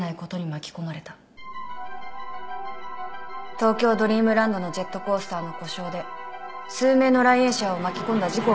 東京ドリームランドのジェットコースターの故障で数名の来園者を巻き込んだ事故が起きた。